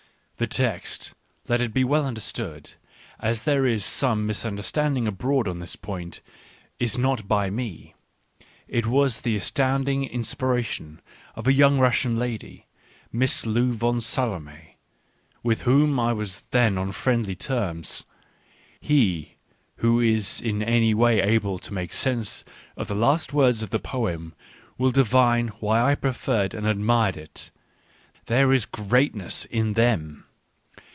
The text, let it be well understood, as there is some mis understanding abroad on this point, is not by me ; it was the astounding inspiration of a young j Russian lady, Miss Lou von Salome, with whom I I* was then on friendly terms. He who is in any way able to make some sense of the last words of the poem, will divine why I preferred and admired it : there is greatness in them.